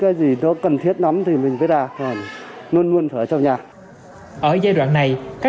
có thể được phép tổ chức